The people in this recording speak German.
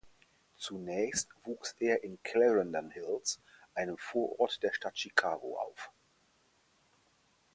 Zunächst wuchs er in Clarendon Hills, einem Vorort der Stadt Chicago, auf.